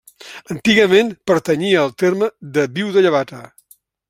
Antigament pertanyia al terme de Viu de Llevata.